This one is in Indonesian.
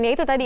ya itu tadi